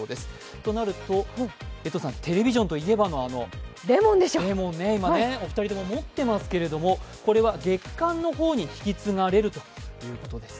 となると、江藤さん、「テレビジョン」といえばのレモンねお二人とも持ってますがこれは月刊の方に引き継がれるということです。